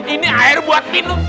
ini air buat minum